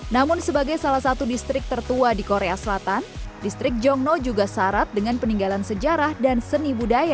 namun sebagai salah satu distrik tertua di korea selatan distrik jongno juga syarat dengan peninggalan sejarah dan seni budaya